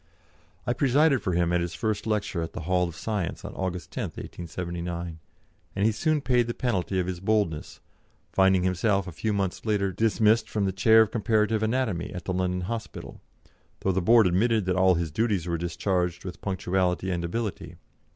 I presided for him at his first lecture at the Hall of Science on August 10, 1879, and he soon paid the penalty of his boldness, finding himself, a few months later, dismissed from the Chair of Comparative Anatomy at the London Hospital, though the Board admitted that all his duties were discharged with punctuality and ability.